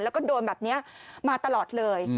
แล้วก็โดนแบบนี้มาตลอดเลย